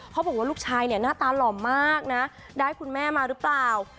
ลูกชายเนี่ยหน้าตาหล่อมากนะได้คุณแม่มาหรือเปล่า